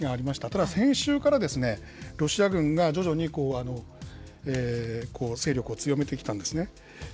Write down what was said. ただ、先週からロシア軍が徐々に勢力を強めてきたんですね。